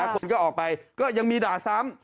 คนก็ออกไปก็ยังมีด่าซ้ำ